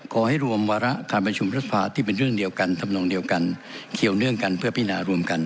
ขอให้รวมวาระการประชุมรัฐสภาที่เป็นเรื่องเดียวกันทำนองเดียวกันเกี่ยวเนื่องกันเพื่อพินารวมกัน